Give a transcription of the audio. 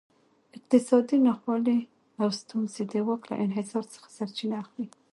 اقتصادي ناخوالې او ستونزې د واک له انحصار څخه سرچینه اخلي.